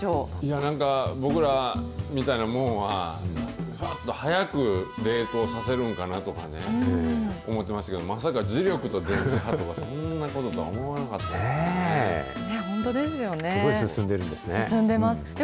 なんか、僕らみたいなもんは、ぱっと速く冷凍させるんかなとか思ってましたけど、まさか磁力と電磁波とか、そんなこととは思わなかったですね。